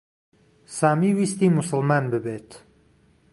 سامی ویستی موسڵمان ببێت.